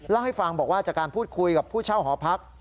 เล่าให้ฟังบอกว่าจากการพูดคุยกับผู้เช่าหอพัก